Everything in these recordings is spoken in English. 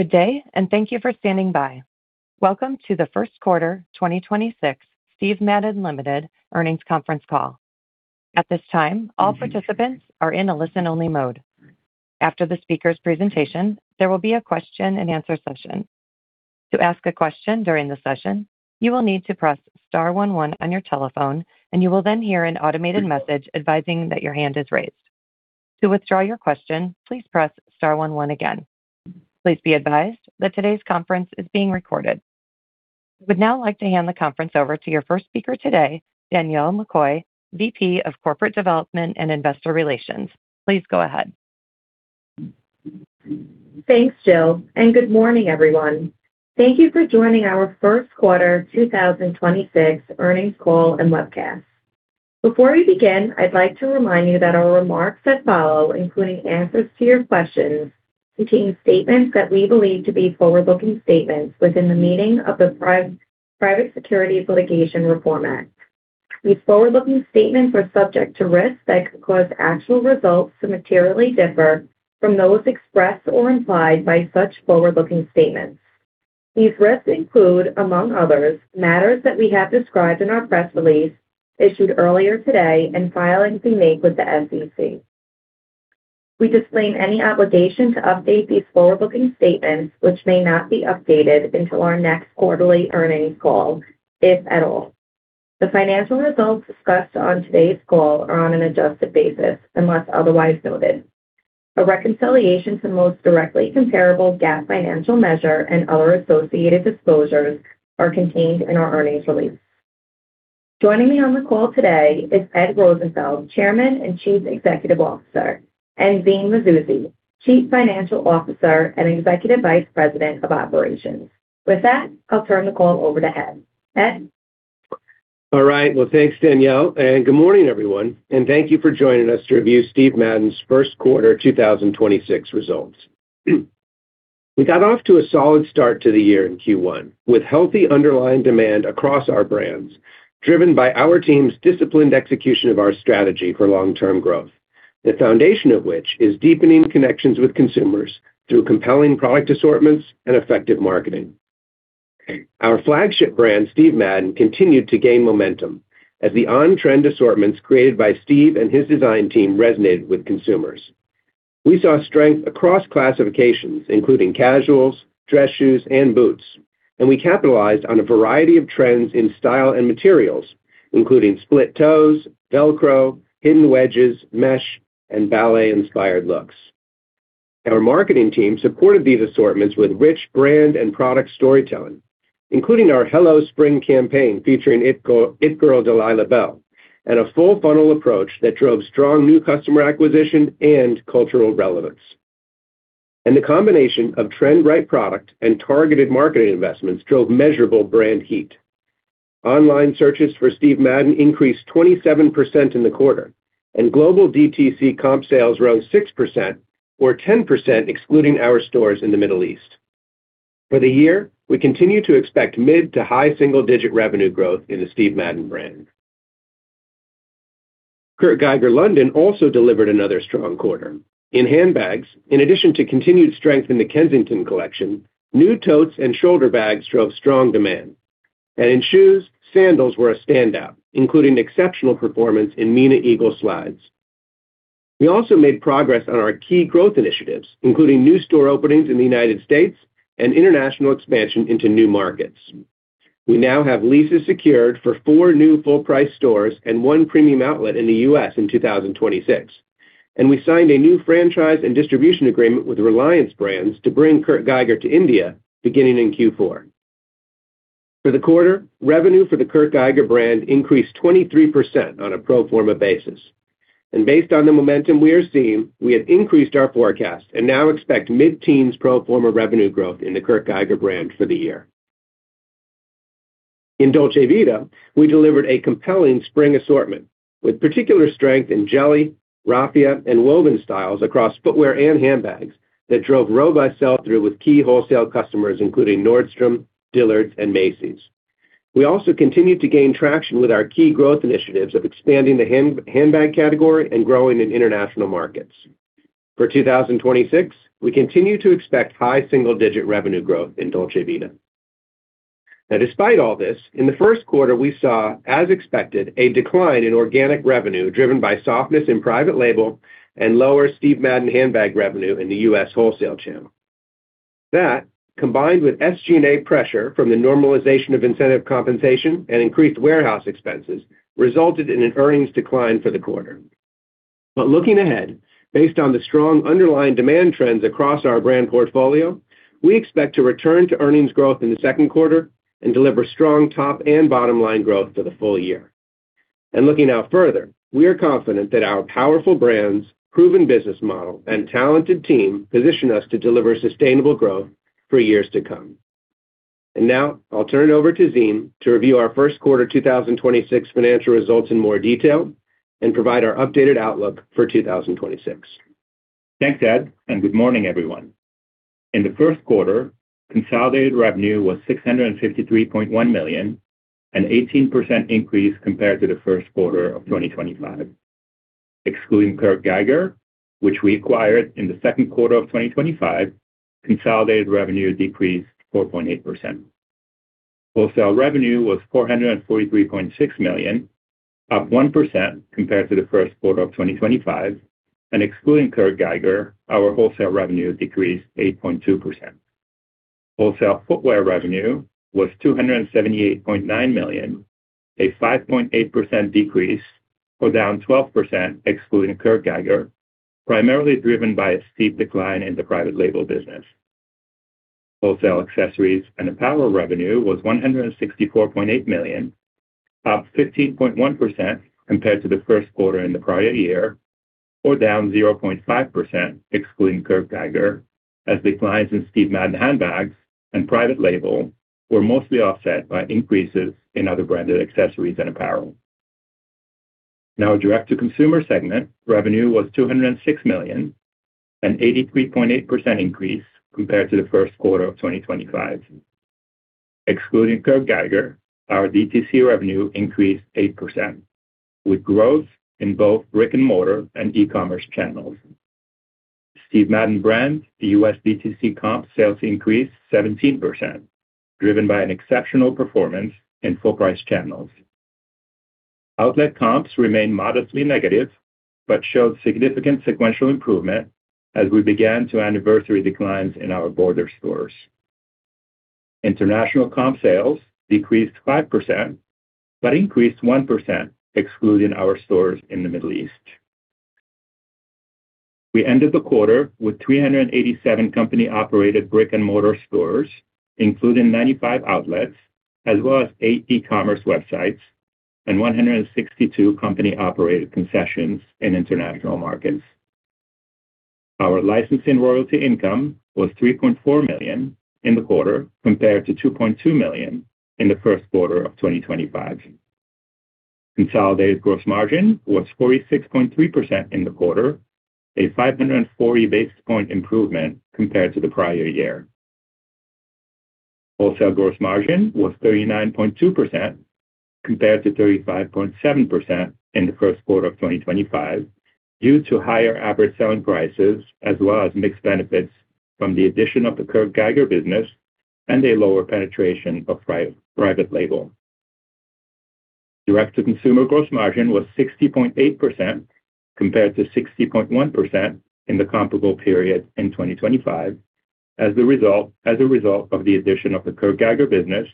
Good day, and thank you for standing by. Welcome to the first quarter 2026 Steven Madden, Ltd. earnings conference call. At this time, all participants are in a listen-only mode. After the speaker's presentation, there will be a question-and-answer session. To ask a question during the session, you will need to press star one one on your telephone, and you will then hear an automated message advising that your hand is raised. To withdraw your question, please press star one one again. Please be advised that today's conference is being recorded. We'd now like to hand the conference over to your first speaker today, Danielle McCoy, VP of Corporate Development and Investor Relations. Please go ahead. Thanks, Jill, and good morning, everyone. Thank you for joining our first quarter 2026 earnings call and webcast. Before we begin, I'd like to remind you that our remarks that follow, including answers to your questions, contain statements that we believe to be forward-looking statements within the meaning of the Private Securities Litigation Reform Act. These forward-looking statements are subject to risks that could cause actual results to materially differ from those expressed or implied by such forward-looking statements. These risks include, among others, matters that we have described in our press release issued earlier today and filings we make with the SEC. We disclaim any obligation to update these forward-looking statements, which may not be updated until our next quarterly earnings call, if at all. The financial results discussed on today's call are on an adjusted basis, unless otherwise noted. A reconciliation to the most directly comparable GAAP financial measure and other associated disclosures are contained in our earnings release. Joining me on the call today is Ed Rosenfeld, Chairman and Chief Executive Officer, and Zine Mazouzi, Chief Financial Officer and Executive Vice President of Operations. With that, I'll turn the call over to Ed. Ed? All right. Well, thanks, Danielle, good morning, everyone, and thank you for joining us to review Steven Madden's first quarter 2026 results. We got off to a solid start to the year in Q1 with healthy underlying demand across our brands, driven by our team's disciplined execution of our strategy for long-term growth, the foundation of which is deepening connections with consumers through compelling product assortments and effective marketing. Our flagship brand, Steve Madden, continued to gain momentum as the on-trend assortments created by Steve and his design team resonated with consumers. We saw strength across classifications, including casuals, dress shoes, and boots, we capitalized on a variety of trends in style and materials, including split toes, Velcro, hidden wedges, mesh, and ballet-inspired looks. Our marketing team supported these assortments with rich brand and product storytelling, including our Hello Spring campaign featuring It girl Delilah Belle, and a full-funnel approach that drove strong new customer acquisition and cultural relevance. The combination of trend-right product and targeted marketing investments drove measurable brand heat. Online searches for Steve Madden increased 27% in the quarter, and global DTC comp sales rose 6% or 10% excluding our stores in the Middle East. For the year, we continue to expect mid to high single-digit revenue growth in the Steve Madden brand. Kurt Geiger London also delivered another strong quarter. In handbags, in addition to continued strength in the Kensington collection, new totes and shoulder bags drove strong demand. In shoes, sandals were a standout, including exceptional performance in Meena Eagle slides. We also made progress on our key growth initiatives, including new store openings in the United States and international expansion into new markets. We now have leases secured for four new full-price stores and one premium outlet in the U.S. in 2026, and we signed a new franchise and distribution agreement with Reliance Brands to bring Kurt Geiger to India beginning in Q4. For the quarter, revenue for the Kurt Geiger brand increased 23% on a pro forma basis. Based on the momentum we are seeing, we have increased our forecast and now expect mid-teens pro forma revenue growth in the Kurt Geiger brand for the year. In Dolce Vita, we delivered a compelling spring assortment with particular strength in jelly, raffia, and woven styles across footwear and handbags that drove robust sell-through with key wholesale customers, including Nordstrom, Dillard's, and Macy's. We also continued to gain traction with our key growth initiatives of expanding the handbag category and growing in international markets. For 2026, we continue to expect high single-digit revenue growth in Dolce Vita. Despite all this, in the first quarter, we saw, as expected, a decline in organic revenue driven by softness in private label and lower Steve Madden handbag revenue in the U.S. wholesale channel. That, combined with SG&A pressure from the normalization of incentive compensation and increased warehouse expenses, resulted in an earnings decline for the quarter. Looking ahead, based on the strong underlying demand trends across our brand portfolio, we expect to return to earnings growth in the second quarter and deliver strong top and bottom line growth for the full year. Looking out further, we are confident that our powerful brands, proven business model, and talented team position us to deliver sustainable growth for years to come. Now I'll turn it over to Zine to review our first quarter 2026 financial results in more detail and provide our updated outlook for 2026. Thanks, Ed, Good morning, everyone. In the first quarter, consolidated revenue was $653.1 million, an 18% increase compared to the first quarter of 2025. Excluding Kurt Geiger, which we acquired in the second quarter of 2025, consolidated revenue decreased 4.8%. Wholesale revenue was $443.6 million, up 1% compared to the first quarter of 2025, and excluding Kurt Geiger, our wholesale revenue decreased 8.2%. Wholesale footwear revenue was $278.9 million, a 5.8% decrease, or down 12% excluding Kurt Geiger, primarily driven by a steep decline in the private label business. Wholesale accessories and apparel revenue was $164.8 million, up 15.1% compared to the first quarter in the prior year, or down 0.5% excluding Kurt Geiger, as declines in Steve Madden handbags and private label were mostly offset by increases in other branded accessories and apparel. Our direct-to-consumer segment revenue was $206 million, an 83.8% increase compared to the first quarter of 2025. Excluding Kurt Geiger, our DTC revenue increased 8%, with growth in both brick-and-mortar and e-commerce channels. Steve Madden brand U.S. DTC comp sales increased 17%, driven by an exceptional performance in full-price channels. Outlet comps remained modestly negative but showed significant sequential improvement as we began to anniversary declines in our border stores. International comp sales decreased 5%, but increased 1% excluding our stores in the Middle East. We ended the quarter with 387 company-operated brick-and-mortar stores, including 95 outlets as well as eight e-commerce websites and 162 company-operated concessions in international markets. Our licensing royalty income was $3.4 million in the quarter compared to $2.2 million in the first quarter of 2025. Consolidated gross margin was 46.3% in the quarter, a 540 basis point improvement compared to the prior year. Wholesale gross margin was 39.2% compared to 35.7% in the first quarter of 2025 due to higher average selling prices as well as mix benefits from the addition of the Kurt Geiger business and a lower penetration of private label. Direct-to-consumer gross margin was 60.8% compared to 60.1% in the comparable period in 2025 as a result of the addition of the Kurt Geiger business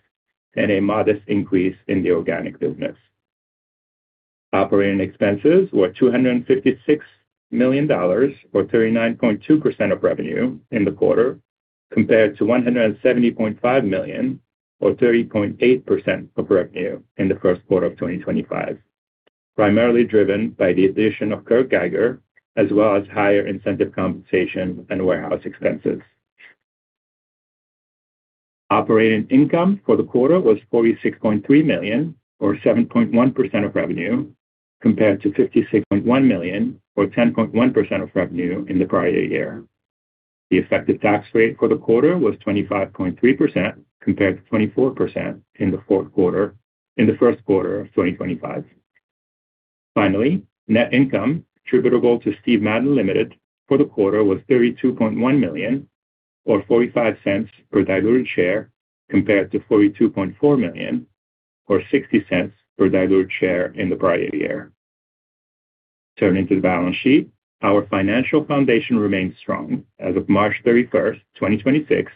and a modest increase in the organic business. Operating expenses were $256 million, or 39.2% of revenue in the quarter compared to $170.5 million, or 30.8% of revenue in the first quarter of 2025, primarily driven by the addition of Kurt Geiger as well as higher incentive compensation and warehouse expenses. Operating income for the quarter was $46.3 million or 7.1% of revenue compared to $56.1 million or 10.1% of revenue in the prior year. The effective tax rate for the quarter was 25.3% compared to 24% in the first quarter of 2025. Net income attributable to Steven Madden, Ltd for the quarter was $32.1 million or $0.45 per diluted share compared to $42.4 million or $0.60 per diluted share in the prior year. Turning to the balance sheet, our financial foundation remains strong. As of March 31, 2026,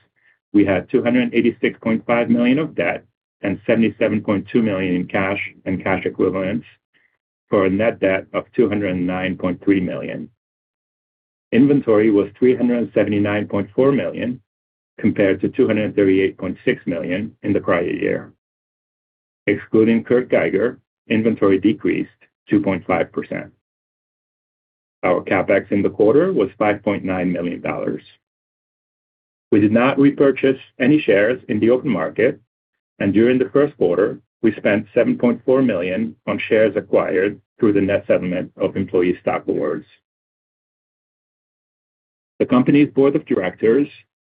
we had $286.5 million of debt and $77.2 million in cash and cash equivalents for a net debt of $209.3 million. Inventory was $379.4 million compared to $238.6 million in the prior year. Excluding Kurt Geiger, inventory decreased 2.5%. Our CapEx in the quarter was $5.9 million. We did not repurchase any shares in the open market, and during the first quarter, we spent $7.4 million on shares acquired through the net settlement of employee stock awards. The company's board of directors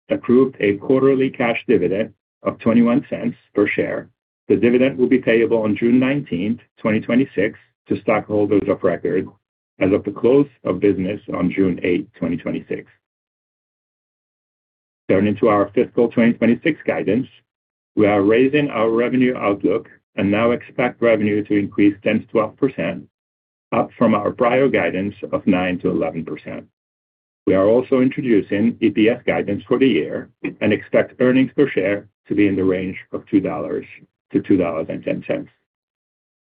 approved a quarterly cash dividend of $0.21 per share. The dividend will be payable on June 19, 2026 to stockholders of record as of the close of business on June 8, 2026. Turning to our fiscal 2026 guidance, we are raising our revenue outlook and now expect revenue to increase 10%-12% up from our prior guidance of 9%-11%. We are also introducing EPS guidance for the year and expect earnings per share to be in the range of $2.00-$2.10.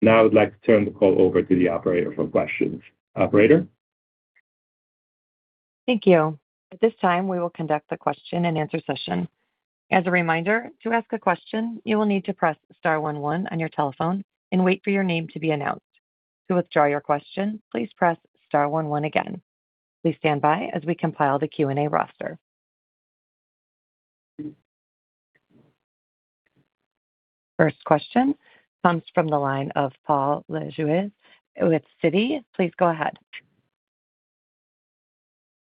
Now I would like to turn the call over to the operator for questions. Operator? Thank you. At this time, we will conduct the question and answer session. As a reminder to ask a question you will need to press star one one on your telephone and wait for your name to be announced. To withdraw your question please press star one one again. Please stay standby as we compile the Q&A roster. First question comes from the line of Paul Lejuez with Citi. Please go ahead.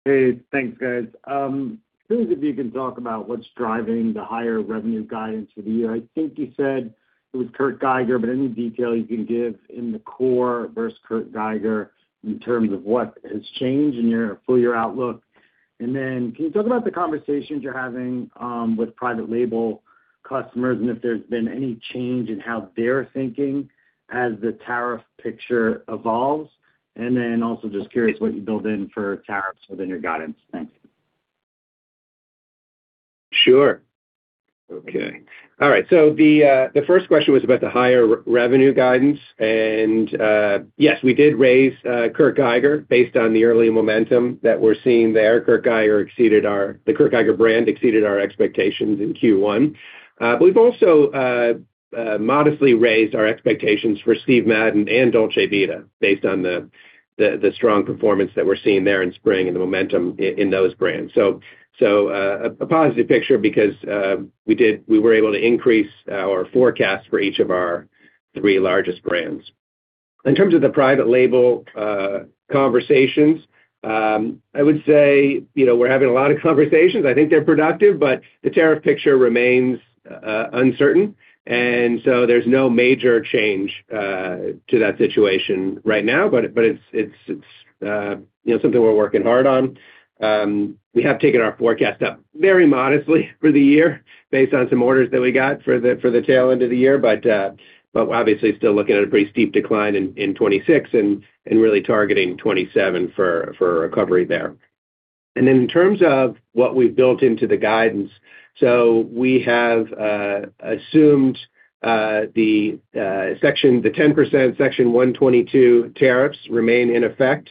Hey, thanks guys. Curious if you can talk about what's driving the higher revenue guidance for the year. I think you said it was Kurt Geiger, but any detail you can give in the core versus Kurt Geiger in terms of what has changed in your full year outlook. Then can you talk about the conversations you're having with private label customers and if there's been any change in how they're thinking as the tariff picture evolves? Also just curious what you build in for tariffs within your guidance. Thanks. Sure. Okay. All right. The first question was about the higher revenue guidance, yes, we did raise Kurt Geiger based on the early momentum that we're seeing there. Kurt Geiger brand exceeded our expectations in Q1. We've also modestly raised our expectations for Steve Madden and Dolce Vita based on the strong performance that we're seeing there in spring and the momentum in those brands. A positive picture because we were able to increase our forecast for each of our three largest brands. In terms of the private label conversations, I would say, you know, we're having a lot of conversations. I think they're productive. The tariff picture remains uncertain. There's no major change to that situation right now, but it's, you know, something we're working hard on. We have taken our forecast up very modestly for the year based on some orders that we got for the tail end of the year, but obviously still looking at a pretty steep decline in 2026 and really targeting 2027 for recovery there. In terms of what we've built into the guidance, we have assumed the 10% Section 122 tariffs remain in effect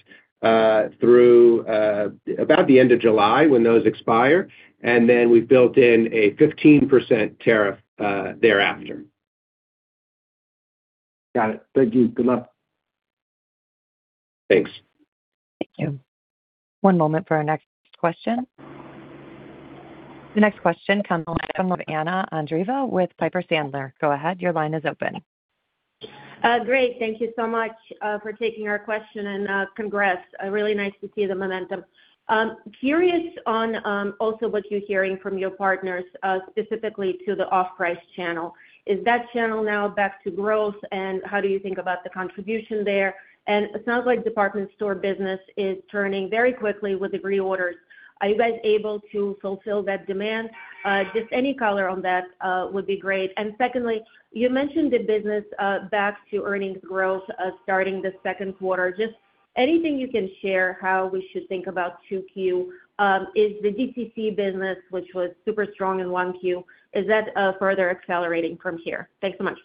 through about the end of July when those expire. We've built in a 15% tariff thereafter. Got it. Thank you. Good luck. Thanks. Thank you. One moment for our next question. The next question comes from Anna Andreeva with Piper Sandler. Go ahead. Your line is open. Great. Thank you so much for taking our question and congrats. Really nice to see the momentum. Curious on also what you're hearing from your partners specifically to the off-price channel. Is that channel now back to growth? How do you think about the contribution there? It sounds like department store business is turning very quickly with the reorders. Are you guys able to fulfill that demand? Just any color on that would be great. Secondly, you mentioned the business back to earnings growth starting the second quarter. Just anything you can share how we should think about 2Q. Is the DTC business, which was super strong in 1Q, is that further accelerating from here? Thanks so much.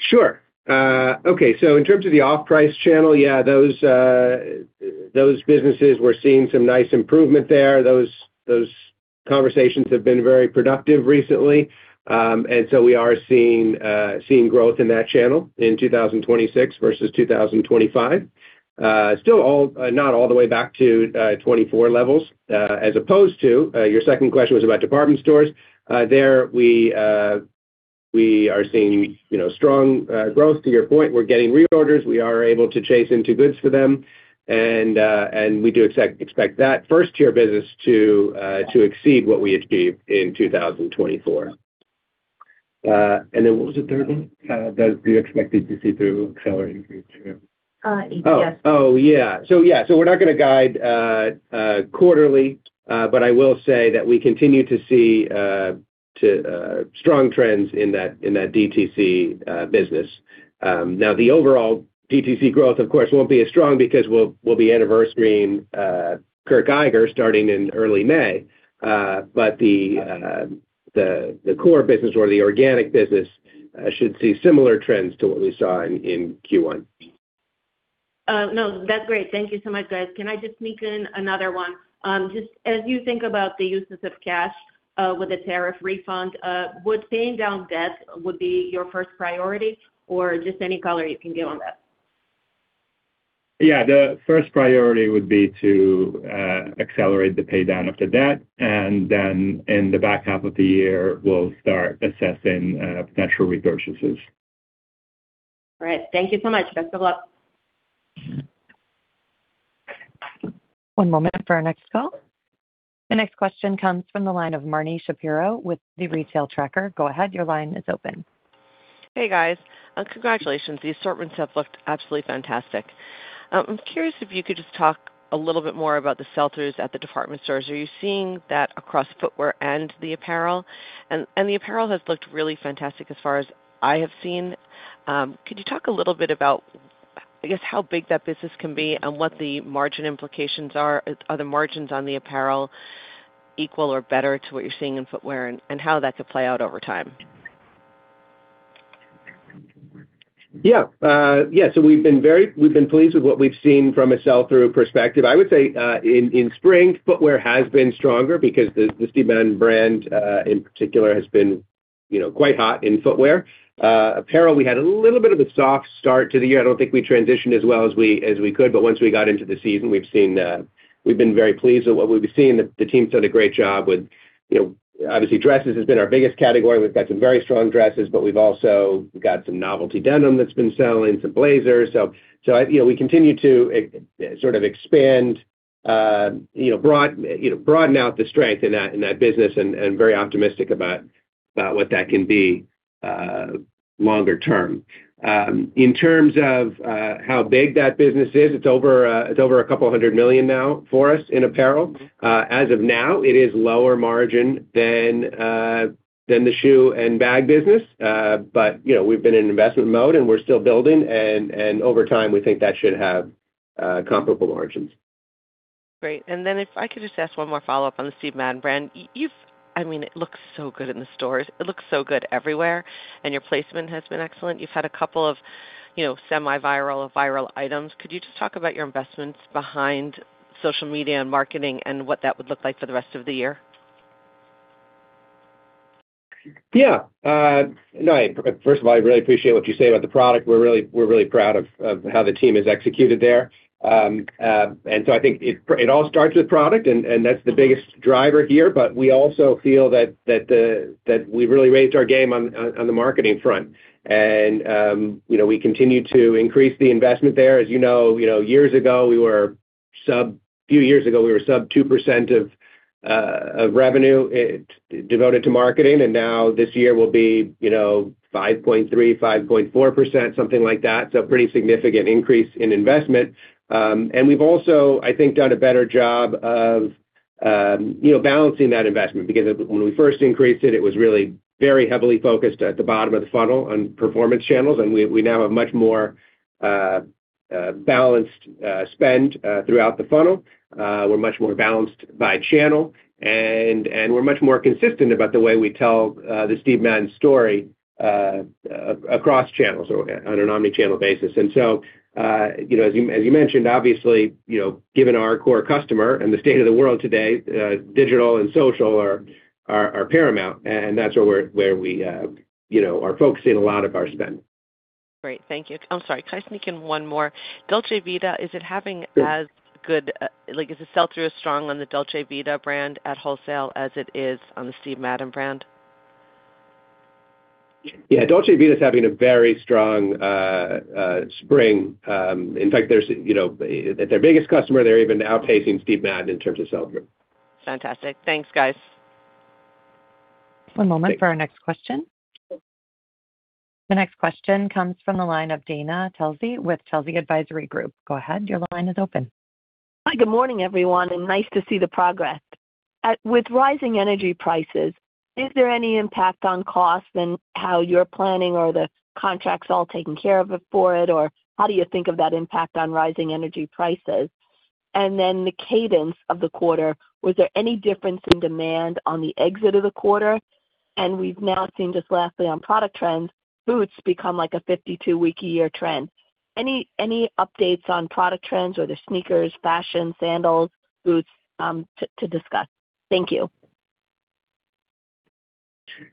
Sure. Okay. In terms of the off-price channel, yeah, those businesses, we're seeing some nice improvement there. Those conversations have been very productive recently. We are seeing growth in that channel in 2026 versus 2025. Still all, not all the way back to 2024 levels. As opposed to, your second question was about department stores. There we are seeing, you know, strong growth. To your point, we're getting reorders. We are able to chase into goods for them. We do expect that first-tier business to exceed what we achieved in 2024. What was the third one? Do you expect DTC to accelerate through too? EPS. We're not gonna guide quarterly. I will say that we continue to see strong trends in that DTC business. Now, the overall DTC growth, of course, won't be as strong because we'll be anniversarying Kurt Geiger starting in early May. The core business or the organic business should see similar trends to what we saw in Q1. No, that's great. Thank you so much, guys. Can I just sneak in another one? Just as you think about the uses of cash, with the tariff refund, would paying down debt be your first priority or just any color you can give on that? Yeah. The first priority would be to accelerate the pay down of the debt. In the back half of the year, we'll start assessing potential repurchases. All right. Thank you so much. Best of luck. One moment for our next call. The next question comes from the line of Marni Shapiro with The Retail Tracker. Go ahead. Your line is open. Hey, guys. Congratulations. The assortments have looked absolutely fantastic. I'm curious if you could just talk a little bit more about the sell-throughs at the department stores. Are you seeing that across footwear and the apparel? The apparel has looked really fantastic as far as I have seen. Could you talk a little bit about, I guess, how big that business can be and what the margin implications are? Are the margins on the apparel equal or better to what you're seeing in footwear and how that could play out over time? We've been pleased with what we've seen from a sell-through perspective. I would say, in spring, footwear has been stronger because the Steven Madden brand, in particular, has been, you know, quite hot in footwear. Apparel, we had a little bit of a soft start to the year. I don't think we transitioned as well as we could. Once we got into the season, we've been very pleased with what we've seen. The team's done a great job with, you know, obviously dresses has been our biggest category. We've got some very strong dresses, but we've also got some novelty denim that's been selling, some blazers. You know, we continue to broaden out the strength in that business and very optimistic about what that can be longer term. In terms of how big that business is, it's over a couple $100 million now for us in apparel. As of now, it is lower margin than the shoe and bag business. You know, we've been in investment mode, and we're still building. Over time, we think that should have comparable margins. Great. Then if I could just ask one more follow-up on the Steve Madden brand. You've I mean, it looks so good in the stores. It looks so good everywhere, and your placement has been excellent. You've had a couple of, you know, semi-viral or viral items. Could you just talk about your investments behind social media and marketing and what that would look like for the rest of the year? No, first of all, I really appreciate what you say about the product. We're really proud of how the team has executed there. I think it all starts with product, and that's the biggest driver here. We also feel that we've really raised our game on the marketing front. You know, we continue to increase the investment there. As you know, years ago, we were sub Few years ago, we were sub 2% of revenue devoted to marketing, and now this year will be, you know, 5.3%, 5.4%, something like that. Pretty significant increase in investment. And we've also, I think, done a better job of, you know, balancing that investment because when we first increased it was really very heavily focused at the bottom of the funnel on performance channels, and we now have much more balanced spend throughout the funnel. We're much more balanced by channel, and we're much more consistent about the way we tell the Steve Madden story across channels or on an omni-channel basis. You know, as you, as you mentioned, obviously, you know, given our core customer and the state of the world today, digital and social are paramount, and that's where we, you know, are focusing a lot of our spend. Great. Thank you. I'm sorry, can I sneak in one more? Dolce Vita, is the sell-through as strong on the Dolce Vita brand at wholesale as it is on the Steve Madden brand? Yeah. Dolce Vita is having a very strong spring. In fact, you know, their biggest customer, they're even outpacing Steve Madden in terms of sell-through. Fantastic. Thanks, guys. One moment for our next question. The next question comes from the line of Dana Telsey with Telsey Advisory Group. Go ahead, your line is open. Hi, good morning, everyone, and nice to see the progress. With rising energy prices, is there any impact on costs and how you're planning or the contracts all taken care of for it? How do you think of that impact on rising energy prices? Then the cadence of the quarter, was there any difference in demand on the exit of the quarter? We've now seen just lastly on product trends, boots become like a 52-week a year trend. Any updates on product trends or the sneakers, fashion, sandals, boots, to discuss? Thank you.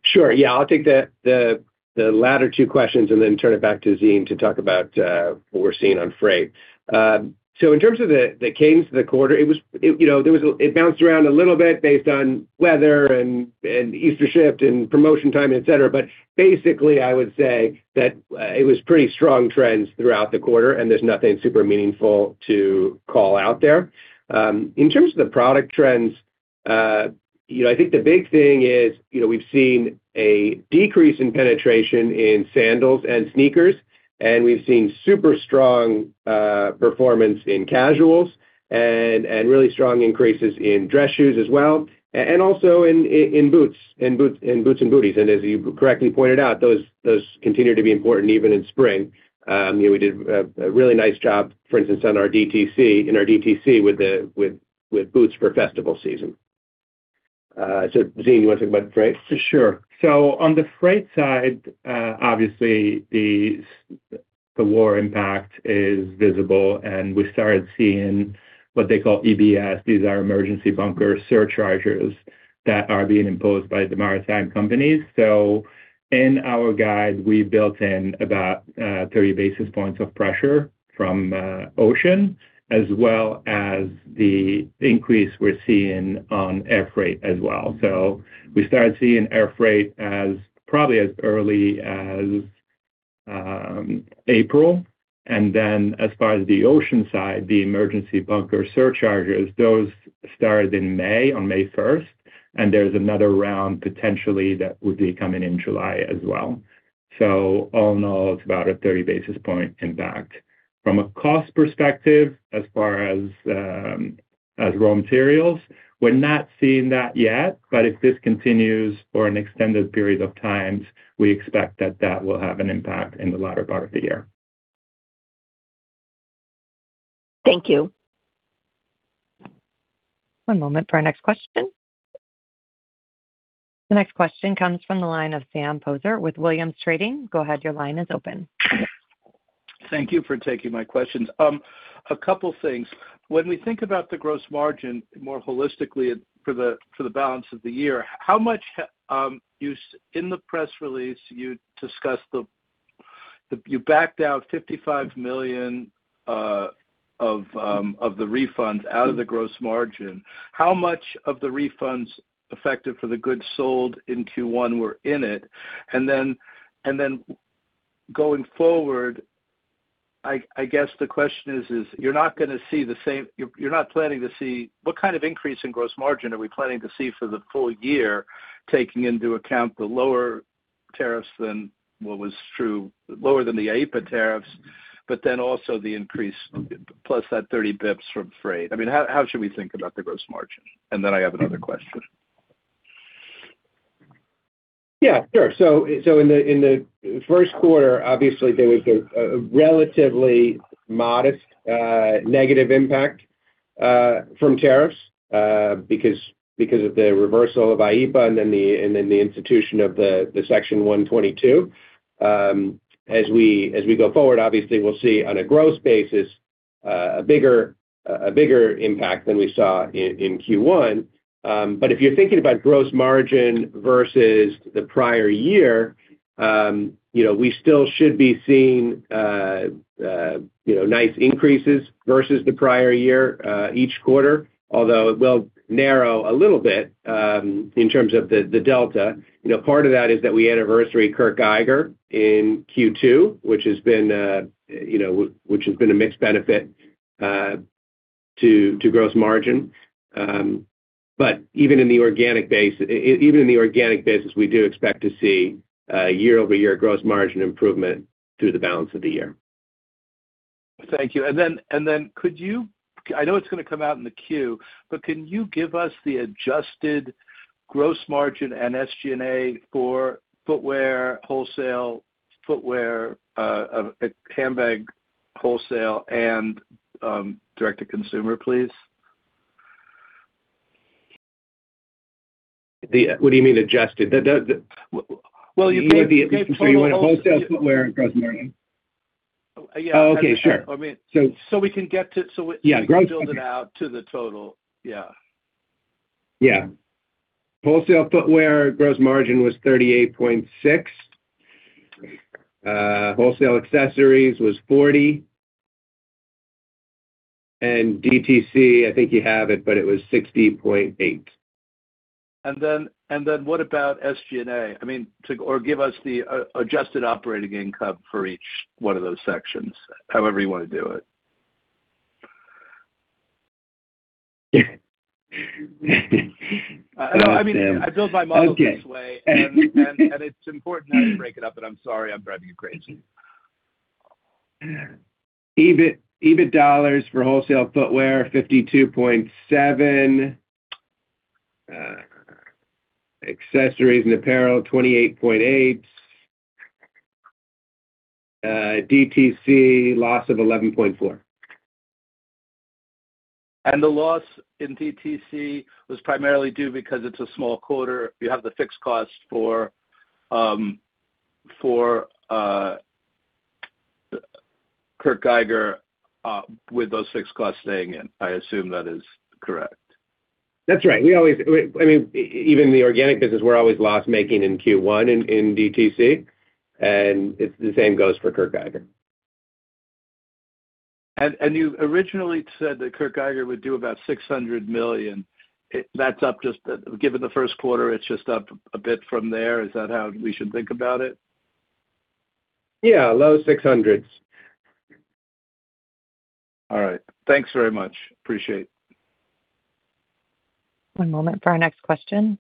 Sure. Yeah. I'll take the latter two questions and then turn it back to Zine to talk about what we're seeing on freight. In terms of the cadence of the quarter, it bounced around a little bit based on weather and Easter shift and promotion time, et cetera. Basically, I would say that it was pretty strong trends throughout the quarter, and there's nothing super meaningful to call out there. In terms of the product trends, you know, I think the big thing is, you know, we've seen a decrease in penetration in sandals and sneakers, and we've seen super strong performance in casuals and really strong increases in dress shoes as well, and also in boots and booties. As you correctly pointed out, those continue to be important even in spring. You know, we did a really nice job, for instance, on our DTC, in our DTC with boots for festival season. Zine, you wanna talk about freight? Sure. On the freight side, obviously the war impact is visible, and we started seeing what they call EBS. These are emergency bunker surcharges that are being imposed by the maritime companies. In our guide, we built in about 30 basis points of pressure from ocean as well as the increase we're seeing on air freight as well. We started seeing air freight as probably as early as April. As far as the ocean side, the emergency bunker surcharges, those started in May, on May 1st, and there's another round potentially that would be coming in July as well. All in all, it's about a 30 basis point impact. From a cost perspective, as far as raw materials, we're not seeing that yet. If this continues for an extended period of time, we expect that will have an impact in the latter part of the year. Thank you. One moment for our next question. The next question comes from the line of Sam Poser with Williams Trading. Go ahead, your line is open. Thank you for taking my questions. A couple things. When we think about the gross margin more holistically for the balance of the year, how much You discussed the You backed out $55 million of the refunds out of the gross margin. How much of the refunds effective for the goods sold in Q1 were in it? Going forward, I guess the question is, you're not planning to see What kind of increase in gross margin are we planning to see for the full year, taking into account the lower tariffs than what was true, lower than the IEEPA tariffs, also the increase plus that 30 Bips from freight? I mean, how should we think about the gross margin? I have another question. Yeah, sure. In the first quarter, obviously, there was a relatively modest negative impact from tariffs because of the reversal of IEEPA and then the institution of the Section 122. As we go forward, obviously, we'll see on a gross basis a bigger impact than we saw in Q1. If you're thinking about gross margin versus the prior year, you know, we still should be seeing nice increases versus the prior year each quarter, although it will narrow a little bit in terms of the delta. You know, part of that is that we anniversary Kurt Geiger in Q2, which has been, you know, which has been a mixed benefit to gross margin. Even in the organic business, we do expect to see a year-over-year gross margin improvement through the balance of the year. Thank you. Could you I know it's gonna come out in the queue, but can you give us the adjusted gross margin and SG&A for footwear wholesale, footwear, handbag wholesale, and direct-to-consumer, please? What do you mean adjusted? Well, you gave total- You want the wholesale footwear and gross margin? Yeah. Okay, sure. I mean- So- We can get to. Yeah. We can build it out to the total. Yeah. Yeah. Wholesale footwear gross margin was 38.6%. Wholesale accessories was 40%. DTC, I think you have it, but it was 60.8%. What about SG&A? I mean, give us the adjusted operating income for each one of those sections, however you wanna do it. No, I mean, I build my models this way. Okay. It's important how you break it up, and I'm sorry I'm driving you crazy. EBIT dollars for wholesale footwear, $52.7. accessories and apparel, $28.8. DTC, loss of $11.4. The loss in DTC was primarily due because it's a small quarter. You have the fixed cost for Kurt Geiger, with those fixed costs staying in. I assume that is correct. That's right. We always I mean, even the organic business, we're always loss-making in Q1 in DTC. It's the same goes for Kurt Geiger. You originally said that Kurt Geiger would do about $600 million. That's up Given the first quarter, it's just up a bit from there. Is that how we should think about it? Yeah, low $600s. All right. Thanks very much. Appreciate it. One moment for our next question.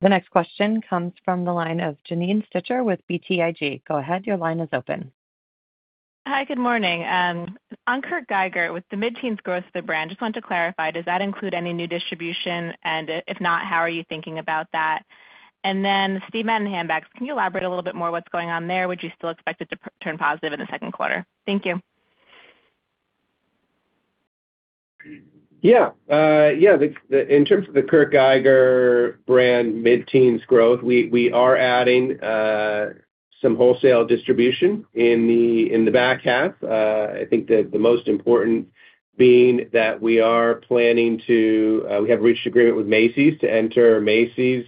The next question comes from the line of Janine Stichter with BTIG. Go ahead, your line is open. Hi, good morning. On Kurt Geiger, with the mid-teens growth of the brand, just wanted to clarify, does that include any new distribution? If not, how are you thinking about that? Steve Madden handbags, can you elaborate a little bit more what's going on there? Would you still expect it to turn positive in the second quarter? Thank you. Yeah. In terms of the Kurt Geiger brand mid-teens growth, we are adding some wholesale distribution in the back half. I think that the most important being that we are planning to we have reached agreement with Macy's to enter Macy's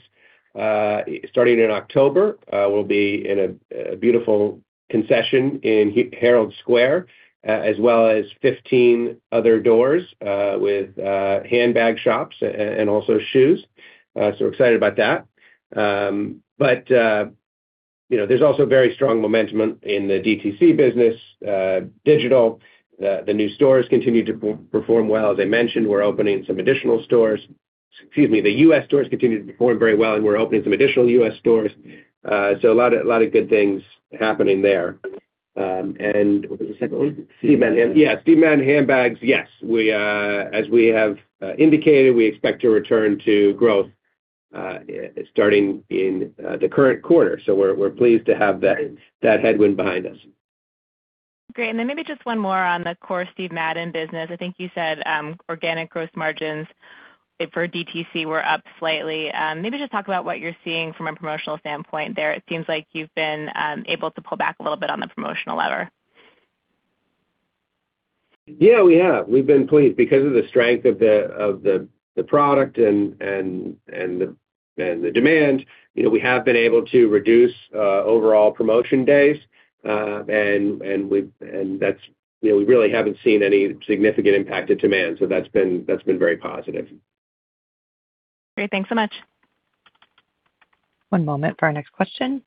starting in October. We'll be in a beautiful concession in Herald Square as well as 15 other doors with handbag shops and also shoes. We're excited about that. You know, there's also very strong momentum in the DTC business. Digital, new stores continue to perform well. As I mentioned, we're opening some additional stores. Excuse me. The U.S. stores continue to perform very well, and we're opening some additional U.S. stores. A lot of good things happening there. What was the second one? Steve Madden. Yeah, Steve Madden Handbags. Yes. We, as we have indicated, we expect to return to growth, starting in the current quarter. We're pleased to have that headwind behind us. Great. Maybe just one more on the core Steven Madden business. I think you said, organic gross margins for DTC were up slightly. Maybe just talk about what you're seeing from a promotional standpoint there. It seems like you've been able to pull back a little bit on the promotional lever. Yeah, we have. We've been pleased. Because of the strength of the product and the demand, you know, we have been able to reduce overall promotion days. That's, you know, we really haven't seen any significant impact to demand, so that's been very positive. Great. Thanks so much. One moment for our next question.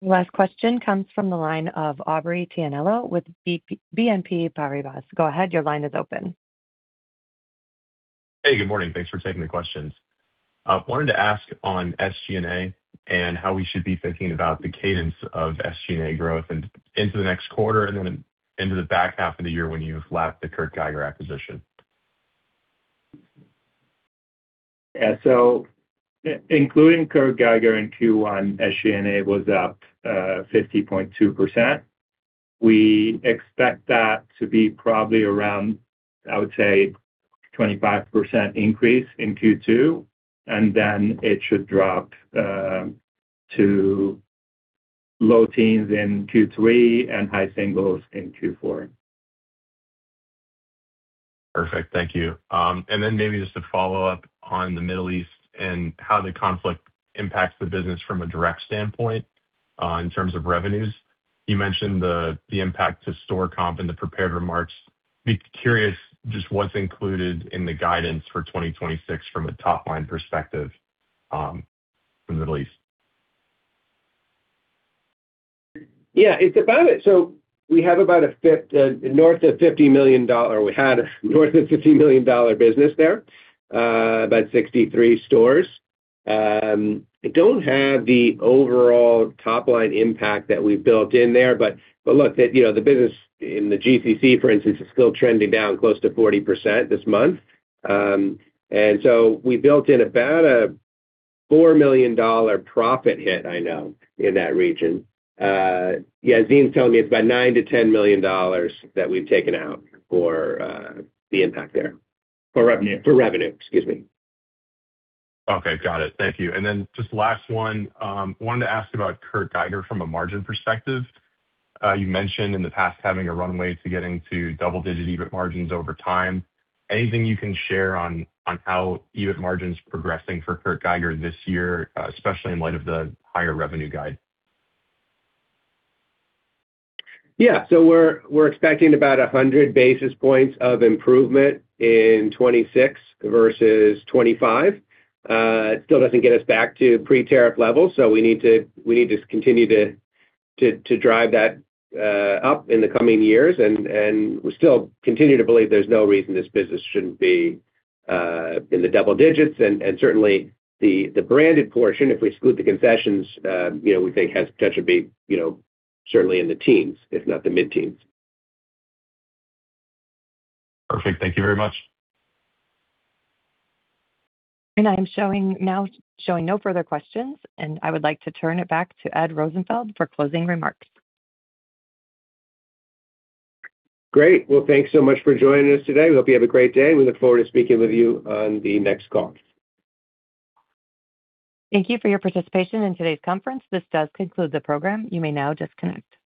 Last question comes from the line of Aubrey Tianello with BNP Paribas. Go ahead, your line is open. Hey, good morning. Thanks for taking the questions. Wanted to ask on SG&A and how we should be thinking about the cadence of SG&A growth and into the next quarter and then into the back half of the year when you lap the Kurt Geiger acquisition? Yeah. Including Kurt Geiger in Q1, SG&A was up 50.2%. We expect that to be probably around, I would say, 25% increase in Q2, and then it should drop to low teens in Q3 and high singles in Q4. Perfect. Thank you. Maybe just to follow up on the Middle East and how the conflict impacts the business from a direct standpoint, in terms of revenues. You mentioned the impact to store comp in the prepared remarks. Be curious just what's included in the guidance for 2026 from a top-line perspective, for the Middle East? Yeah, it's about it. We had north of $50 million business there, about 63 stores. I don't have the overall top-line impact that we've built in there. Look, you know, the business in the GCC, for instance, is still trending down close to 40% this month. We built in about a $4 million profit hit, I know, in that region. Yeah, Zine's telling me it's about $9 million-$10 million that we've taken out for the impact there. For revenue. For revenue. Excuse me. Okay. Got it. Thank you. Just last one, wanted to ask about Kurt Geiger from a margin perspective. You mentioned in the past having a runway to getting to double-digit EBIT margins over time. Anything you can share on how EBIT margin's progressing for Kurt Geiger this year, especially in light of the higher revenue guide? We're expecting about 100 basis points of improvement in 2026 versus 2025. It still doesn't get us back to pre-tariff levels, we need to continue to drive that up in the coming years. And we still continue to believe there's no reason this business shouldn't be in the double digits. And certainly the branded portion, if we exclude the concessions, you know, we think has potential to be, you know, certainly in the teens, if not the mid-teens. Perfect. Thank you very much. I am showing no further questions, and I would like to turn it back to Ed Rosenfeld for closing remarks. Great. Well, thanks so much for joining us today. We hope you have a great day. We look forward to speaking with you on the next call. Thank you for your participation in today's conference. This does conclude the program. You may now disconnect.